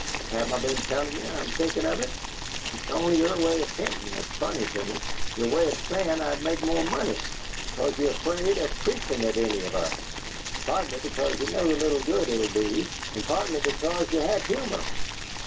"Haven't I been tellin' ye I'm thinkin' of it? It's only yer way of hintin' that's funny to me, yer way of sayin' I'd make more money, because ye're afraid of preachin' at any of us: partly because ye know the little good it 'd be, and partly because ye have humor.